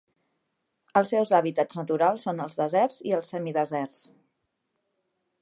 Els seus hàbitats naturals són els deserts i els semideserts.